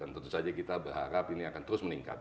tentu saja kita berharap ini akan terus meningkat